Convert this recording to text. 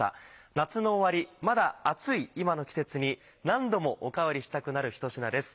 夏の終わりまだ暑い今の季節に何度もお代わりしたくなるひと品です。